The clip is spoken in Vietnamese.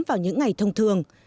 vào những ngày thông thường